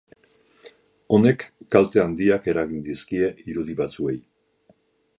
Honek, kalte handiak eragin dizkie irudi batzuei.